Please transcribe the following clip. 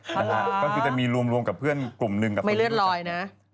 หรอก็คือจะมีรวมกับเพื่อนกลุ่มหนึ่งกับผู้หญิงจัง